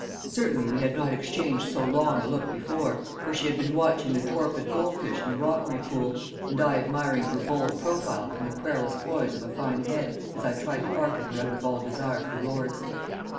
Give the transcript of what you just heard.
Certainly we had not exchanged so long a look before, for she had been watching the torpid goldfish in the rockery pool, and I admiring her bold profile and the querulous poise of a fine head as I tried to argue her out of all desire for Lord's.